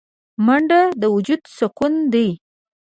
منډه د وجود سکون دی